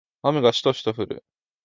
雨がしとしと降る